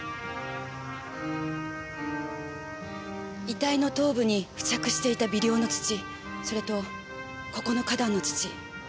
遺体の頭部に付着していた微量の土それとここの花壇の土。